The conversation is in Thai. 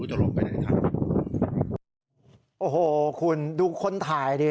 โอ้โหคุณดูคนถ่ายดิ